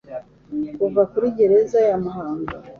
Kuva kuri Gereza ya Muhanga,